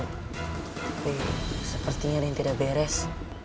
tapi sepertinya ada yang tidak beres